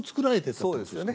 そうですね。